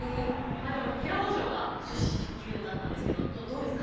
まあでも平戸城が初級だったんですけどどうですか？